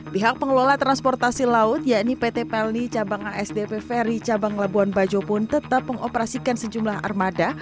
pihak pengelola transportasi laut yakni pt pelni cabang asdp ferry cabang labuan bajo pun tetap mengoperasikan sejumlah armada